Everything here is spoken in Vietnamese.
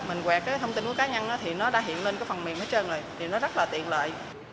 mình quẹt thông tin của cá nhân thì nó đã hiện lên phần mềm hết trơn rồi thì nó rất là tiện lợi